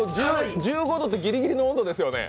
１５度ってギリギリの温度ですよね？